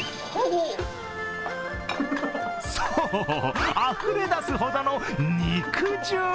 そう、あふれ出すほどの肉汁。